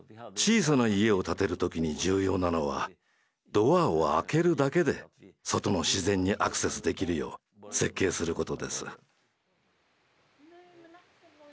小さな家を建てる時に重要なのはドアを開けるだけで外の自然にアクセスできるよう設計することです。